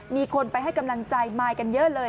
มีคนไปให้กำลังใจมายกันเยอะเลย